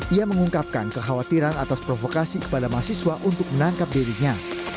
ia mengungkapkan kekhawatiran atas provokasi kepada mahasiswa untuk menangkap dirinya